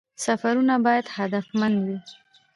سفرونه باید هدفمند وي